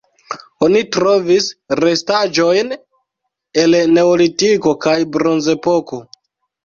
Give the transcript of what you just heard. Oni trovis restaĵojn el Neolitiko kaj Bronzepoko.